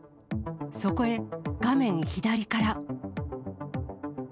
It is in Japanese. そこへ画面左から。